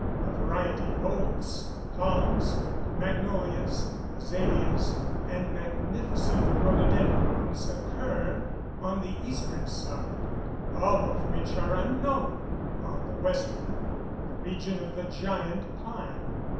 A variety of oaks, palms, magnolias, azaleas, and magnificent rhododendrons occur on the eastern side, all of which are unknown on the western, the region of the giant pine.